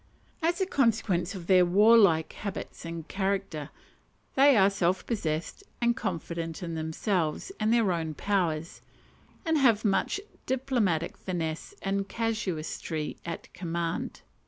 As a consequence of their warlike habits and character, they are self possessed and confident in themselves and their own powers, and have much diplomatic finesse and casuistry at command.